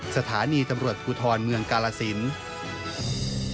สถานีตำรวจภูทรเมืองกาลสิน